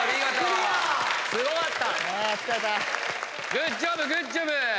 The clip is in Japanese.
グッジョブグッジョブ！